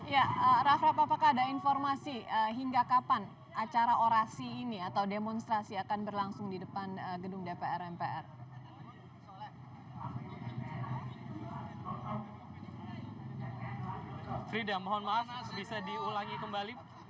ya raff raff apakah ada informasi hingga kapan acara orasi ini atau demonstrasi akan berlangsung di depan gedung dpr mpr